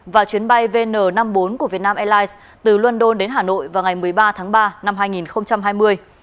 và chuyến bay vn năm mươi bốn của vietnam airlines từ london đến hà nội vào ngày một mươi ba tháng ba năm hai nghìn hai mươi